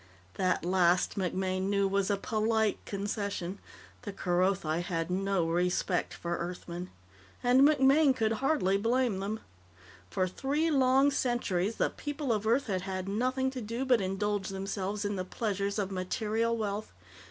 That last, MacMaine knew, was a polite concession. The Kerothi had no respect for Earthmen. And MacMaine could hardly blame them. For three long centuries, the people of Earth had had nothing to do but indulge themselves in the pleasures of material wealth.